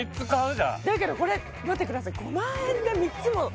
じゃあだけどこれ待ってください